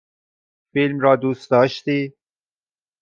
فیلم را دوست داشتی؟